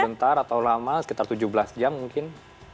sebentar atau lama sekitar tujuh belas jam mungkin